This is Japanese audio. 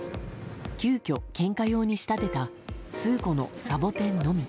急きょ、献花用に仕立てた数個のサボテンのみ。